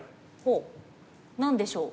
何でしょう？